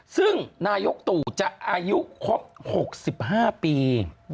ซึ่งนายกตู่จะอายุครบ๖๕ปี